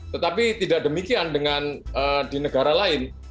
tetapi tidak demikian dengan di negara lain